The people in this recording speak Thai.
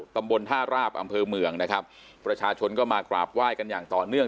ตำบลท่าราบอำเภอเมืองนะครับประชาชนก็มากราบไหว้กันอย่างต่อเนื่อง